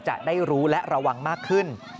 จะได้รู้และระวังมากขึ้น